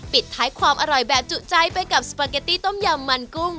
ปิดท้ายความอร่อยแบบจุใจไปกับสปาเกตตี้ต้มยำมันกุ้ง